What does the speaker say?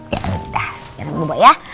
yaudah sekarang bubuk ya